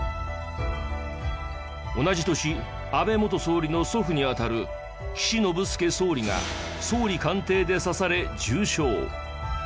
同じ年安倍元総理の祖父に当たる岸信介総理が総理官邸で刺され重傷。